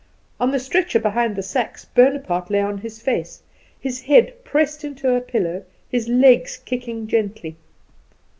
On the stretcher behind the sacks Bonaparte lay on his face, his head pressed into a pillow, his legs kicking gently.